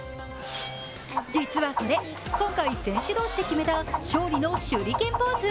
実はこれ、今回、選手同士で決めた勝利の手裏剣ポーズ。